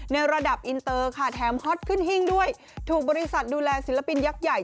ในระดับอินเตอร์ค่ะแถมฮอตขึ้นหิ้งด้วยถูกบริษัทดูแลศิลปินยักษ์ใหญ่